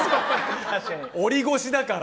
おり越しだから。